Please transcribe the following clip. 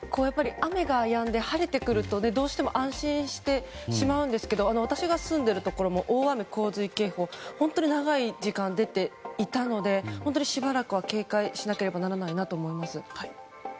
雨がやんで晴れてくるとどうしても安心してしまうんですけど私が住んでいるところも大雨・洪水警報が本当に長い時間出ていたので本当にしばらくは警戒しなければならないなと思います。